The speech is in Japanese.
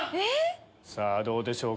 さぁどうでしょうか？